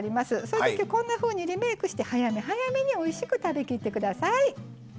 そういうときはこんなふうにリメイクして早め早めにおいしく食べきって下さい。